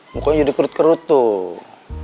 makanya jadi kerut kerut tuh